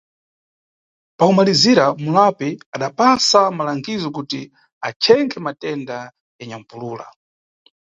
Pakumalizira, mulapi adapasa malangizo kuti achenkhe matenda ya nyampulula.